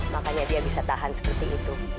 makanya dia bisa tahan seperti itu